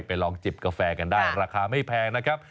ลองจิบกาแฟกันได้ราคาไม่แพงนะครับ